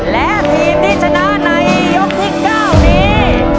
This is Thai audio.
และทีมที่ชนะในยกที่๙นี้